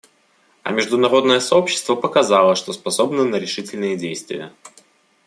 А международное сообщество показало, что способно на решительные действия.